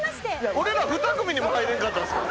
俺ら２組にも入れんかったんですか？